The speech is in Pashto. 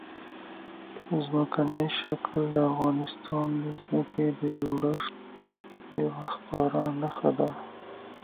ځمکنی شکل د افغانستان د ځمکې د جوړښت یوه ښکاره نښه ده.